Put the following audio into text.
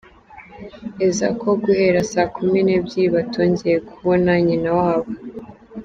eza ko guhera saa kumi n’ebyiri batongeye kubona nyina wabo.